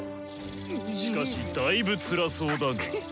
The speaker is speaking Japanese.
しかしだいぶつらそうだが？